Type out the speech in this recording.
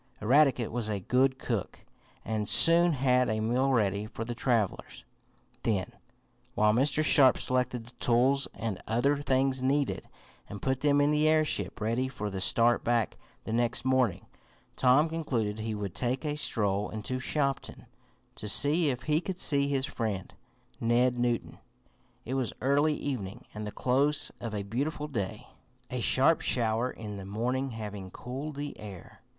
Eradicate was a good cook, and soon had a meal ready for the travelers. Then, while Mr. Sharp selected the tools and other things needed, and put them in the airship ready for the start back the next morning, Tom concluded he would take a stroll into Shopton, to see if he could see his friend, Ned Newton. It was early evening, and the close of a beautiful day, a sharp shower in the morning having cooled the air.